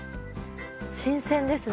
新鮮ですね。